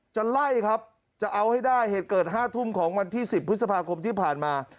จะไล่ครับจะเอาให้ได้เหตุเกิด๕ทุ่มของวันที่๑๐พฤษภาคมที่ผ่านมา